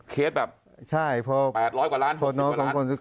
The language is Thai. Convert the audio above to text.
เคสแบบ๘๐๐กว่าล้าน๖๐กว่าล้าน